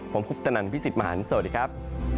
ผมคุปตนันพิศิษฐ์มหาลสวัสดีครับ